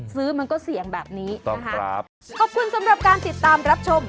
มันก็เสี่ยงแบบนี้นะคะครับขอบคุณสำหรับการติดตามรับชม